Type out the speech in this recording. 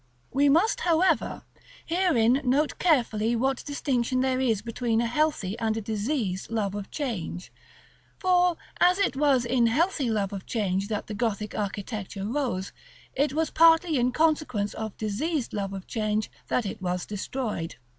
§ XXXII. We must, however, herein note carefully what distinction there is between a healthy and a diseased love of change; for as it was in healthy love of change that the Gothic architecture rose, it was partly in consequence of diseased love of change that it was destroyed.